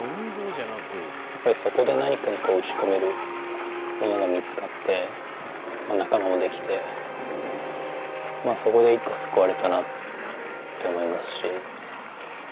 そこで何かに打ち込めるものが見つかって仲間も出来てそこで救われたなって思いますし。